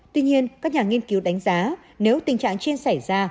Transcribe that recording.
tuy nhiên các nhà nghiên cứu đánh giá nếu tình trạng trên xảy ra